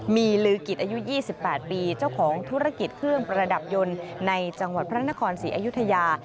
มีลือกิจอายุ๒๘ปีเจ้าของธุรกิจเครื่องประดับยนต์ในจังหวัดพระนครศรีอยุธยา